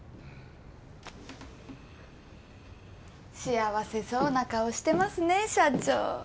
幸せそうな顔してますね社長。